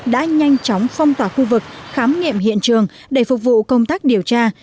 đã nhanh chóng phong tỏa khu vực khám nghiệm hiện trường để phục vụ công tác điều tra